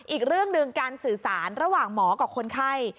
อีกเรื่องหนึ่งการสื่อสารระหว่างหมอกับคนไข้